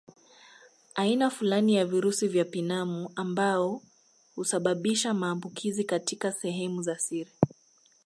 Aina fulani ya virusi vya pinamu ambao husababisha maambukizi katika sehemu za siri